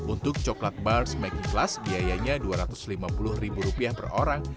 untuk coklat bars making class biayanya rp dua ratus lima puluh per orang